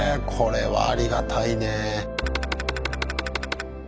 これはありがたいね。